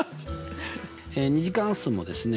２次関数もですね